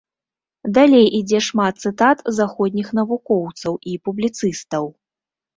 Далей ідзе шмат цытат заходніх навукоўцаў і публіцыстаў.